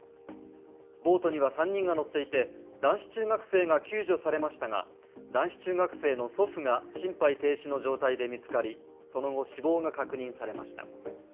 ボートには３人が乗っていて、男子中学生が救助されましたが男子中学生の祖父が心肺停止の状態で見つかり、その後、死亡が確認されました。